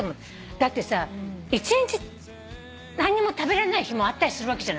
だってさ一日何にも食べれない日もあったりするわけじゃない。